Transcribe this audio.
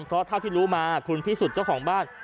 เพราะเท่าที่รู้มาคุณพิสุทธิ์เจ้าของบ้าน